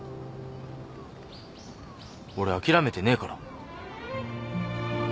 俺あきらめてねえから。